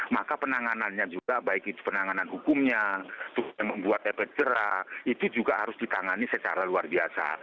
maka penanganannya juga baik itu penanganan hukumnya membuat efek jerah itu juga harus ditangani secara luar biasa